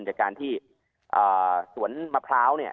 จากการที่สวนมะพร้าว